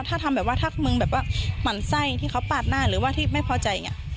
ถ้าทำแบบว่าถ้ามึงแบบว่าหมั่นไส้ที่เขาปาดหน้าหรือว่าที่ไม่พอใจอย่างนี้